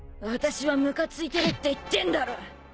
私はムカついてるって言ってんだろ！